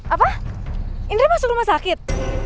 apa indra masuk rumah sakit